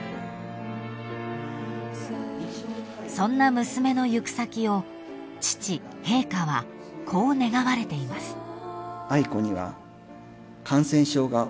［そんな娘の行く先を父陛下はこう願われています］